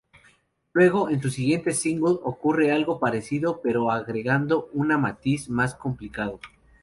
Luego, en su siguiente single, ocurre algo parecido pero agregando un matiz más complicado.